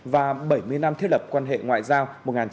và bảy mươi năm thiết lập quan hệ ngoại giao